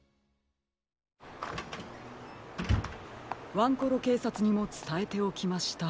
ワンコロけいさつにもつたえておきました。